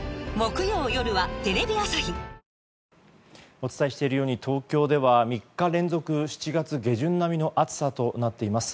お伝えしているように東京では３日連続７月下旬並みの暑さとなっています。